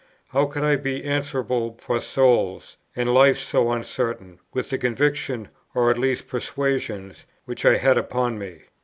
how could I be answerable for souls, (and life so uncertain,) with the convictions, or at least persuasions, which I had upon me?